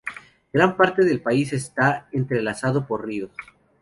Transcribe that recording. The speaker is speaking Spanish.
Gran parte del país está entrelazado por ríos.